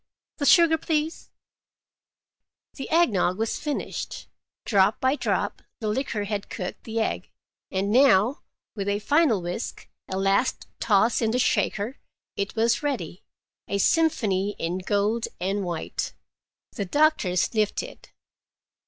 The sugar, please." The egg nog was finished. Drop by drop the liquor had cooked the egg, and now, with a final whisk, a last toss in the shaker, it was ready, a symphony in gold and white. The doctor sniffed it.